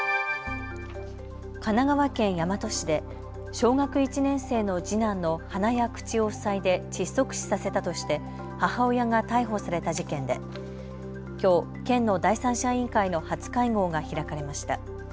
神奈川県大和市で小学１年生の次男の鼻や口を塞いで窒息死させたとして母親が逮捕された事件できょう県の第三者委員会の初会合が開かれました。